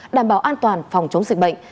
đảm bảo an toàn phòng chống dịch bệnh